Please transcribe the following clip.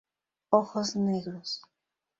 Ojos negros.